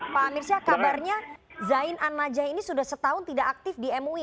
pak amir syah kabarnya zain an najah ini sudah setahun tidak aktif di mui